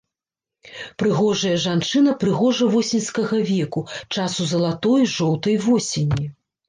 Прыгожая жанчына прыгожа-восеньскага веку, часу залатой, жоўтай восені.